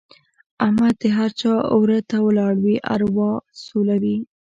احمد د هر چا وره ته ولاړ وي او اروا سولوي.